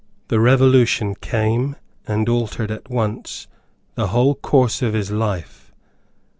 The Revolution came, and altered at once the whole course of his life.